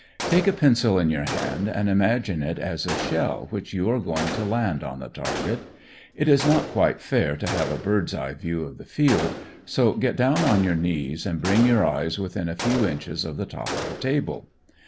Take a pencil in your hand and imagine it is a shell which you are going to land on the target. It is not quite fair to have a bird's eye view of the field, so get down on your knees and bring your eyes within a few inches of the top of the table.